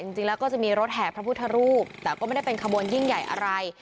จริงแล้วก็จะมีรถแห่พระพุทธรูปแต่ก็ไม่ได้เป็นขบวนยิ่งใหญ่อะไร